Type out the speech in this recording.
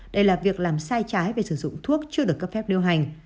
đây là việc làm sai trái về sử dụng thuốc chưa được cấp phép lưu hành